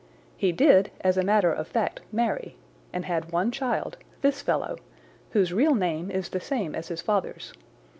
He did, as a matter of fact, marry, and had one child, this fellow, whose real name is the same as his father's.